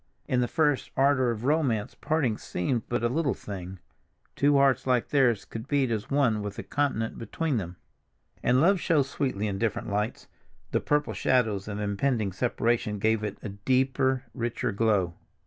In the first ardor of romance parting seemed but a little thing—two hearts like theirs could beat as one with a continent between them. And love shows sweetly in different lights; the purple shadows of impending separation gave it a deeper, richer glow.